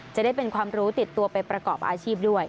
จะได้เป็นความรู้ติดตัวไปประกอบอาชีพด้วย